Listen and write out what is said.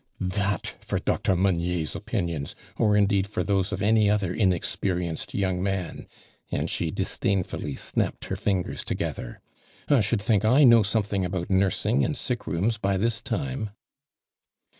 "That!" for Dr. Meunier's opinions, or indeed for those of any other inexperienced young man," and she disdainfully snapped her fingers together. "I should think I know something about nursing and sick rooms by this time."